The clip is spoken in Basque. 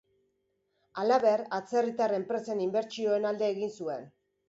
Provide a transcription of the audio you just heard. Halaber, atzerritar enpresen inbertsioen alde egin zuen.